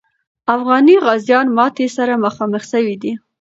افغاني غازیان ماتي سره مخامخ سوي دي.